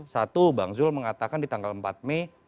satu bang zul mengatakan di tanggal empat mei